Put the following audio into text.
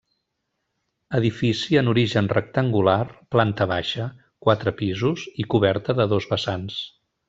Edifici en origen rectangular, planta baixa, quatre pisos i coberta de dos vessants.